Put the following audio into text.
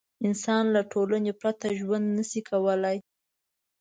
انسان له ټولنې پرته ژوند نه شي کولی.